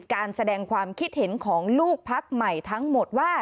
การแสดงความคิดเห็นของลูกพักใหม่ทั้งหมดว่า